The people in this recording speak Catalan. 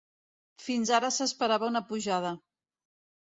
Fins ara s’esperava una pujada.